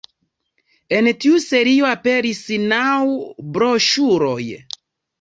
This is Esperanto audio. En tiu serio aperis naŭ broŝuroj.